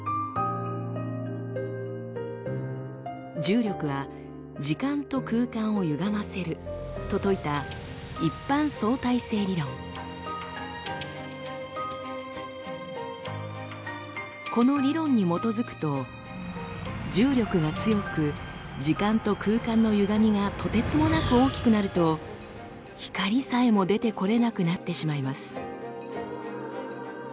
「重力は時間と空間をゆがませる」と説いたこの理論に基づくと重力が強く時間と空間のゆがみがとてつもなく大きくなると光さえも出てこれなくなってしまいます。